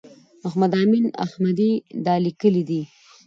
محمد امین احمدي دا لیکلي دي.